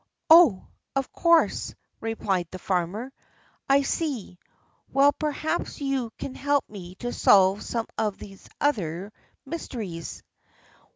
"Oh, of course," replied the farmer. "I see. Well, perhaps you can help me to solve some of his other mysteries.